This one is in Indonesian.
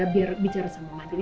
biar bicara sama oma dulu